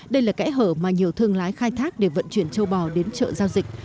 đây là kẽ hở mà nhiều thương lái khai thác để vận chuyển châu bò đến chợ giao dịch